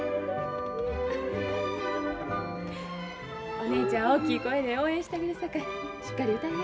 お姉ちゃん大きい声で応援してあげるさかいしっかり歌いや。